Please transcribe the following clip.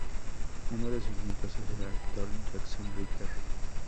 Uno de sus nietos es el actor Jason Ritter.